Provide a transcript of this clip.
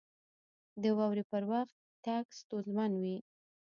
• د واورې پر وخت تګ ستونزمن وي.